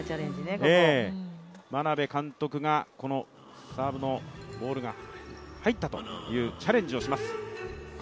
眞鍋監督がサーブのボールが入ったというチャレンジをします。